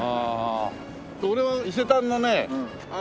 俺は伊勢丹のね